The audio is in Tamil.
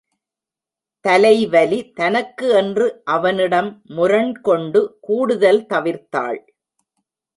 தலைவலி தனக்கு என்று அவனிடம் முரண்கொண்டு கூடுதல் தவிர்த்தாள்.